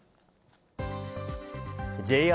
ＪＲ